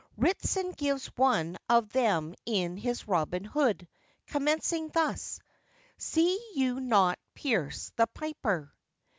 Ritson gives one of them in his Robin Hood, commencing thus:— See you not Pierce the piper.